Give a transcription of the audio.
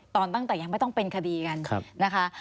ตอนตั้งแต่ยังไม่ต้องเป็นคดีกัน